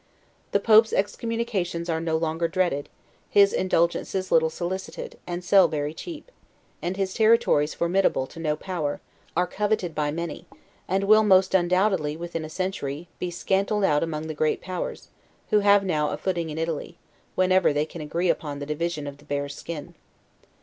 The Pope's excommunications are no longer dreaded; his indulgences little solicited, and sell very cheap; and his territories formidable to no power, are coveted by many, and will, most undoubtedly, within a century, be scantled out among the great powers, who have now a footing in Italy, whenever they can agree upon the division of the bear's skin.